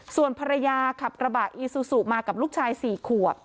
ส่วนภรรยาขับกระบะอีซูซูมากับลูกชาย๔ขวบ